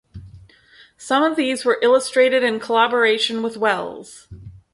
Some of these were illustrated in collaboration with Wells.